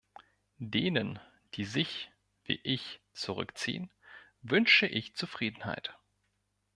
Denen, die sich, wie ich, zurückziehen, wünsche ich Zufriedenheit.